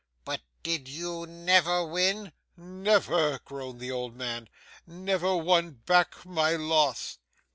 'But did you never win?' 'Never!' groaned the old man. 'Never won back my loss!